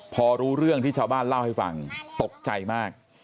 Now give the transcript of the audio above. พอรู้เรื่องที่ชาวบ้านเล่าให้ฟังตกใจมาก